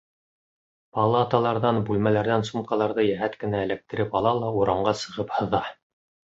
Палаталарҙан, бүлмәләрҙән сумкаларҙы йәһәт кенә эләктереп ала ла урамға сығып һыҙа.